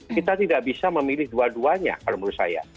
kita tidak bisa memilih dua duanya kalau menurut saya